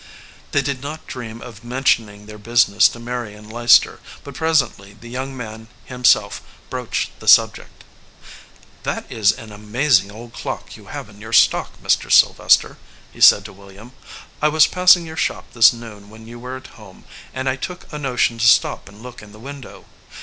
They did not dream of mentioning their business to Marion Leicester ; but presently the young man himself broached the subject. "That is an amazing old clock you have in your stock, Mr. Sylvester/ he said to William. "I was passing your shop this noon when you were at home, and I took a notion to stop and look in the window.